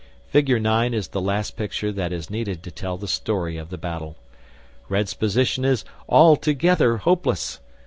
Figure 9 is the last picture that is needed to tell the story of the battle. Red's position is altogether hopeless.